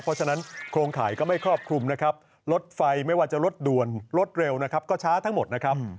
เพราะฉะนั้นโครงข่ายก็ไม่ครอบคลุมนะครับรถไฟไม่ว่าจะรถด่วนรถเร็วนะครับก็ช้าทั้งหมดนะครับ